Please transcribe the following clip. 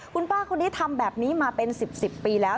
คุณป้าคนนี้ทำแบบนี้มาเป็น๑๐ปีแล้ว